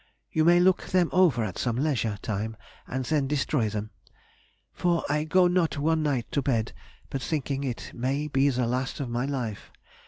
You may look them over at some leisure [time] and then destroy them; for I go not one night to bed but thinking it may be the last of my life....